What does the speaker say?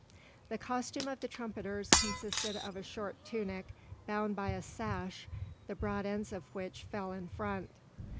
The costume of the trumpeters consisted of a short tunic bound by a sash the broad ends of which fell in front.